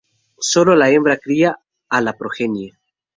Sólo la hembra cría a la progenie.